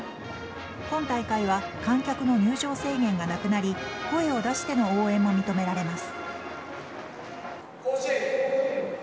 今大会は観客の入場制限がなくなり声を出しての応援も認められます。